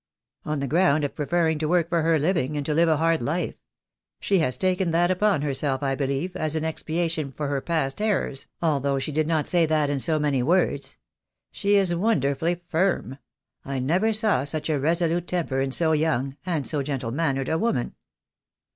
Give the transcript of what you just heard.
"On the ground of preferring to work for her living, and to live a hard life. She has taken that upon herself, I believe, as an expiation for her past errors, although she did not say that in so many words. She is wonder fully firm. I never saw such a resolute temper in so young — and so gentle mannered — a woman."